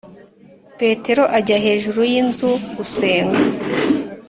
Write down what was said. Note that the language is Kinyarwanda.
Petero ajya hejuru y inzu gusenga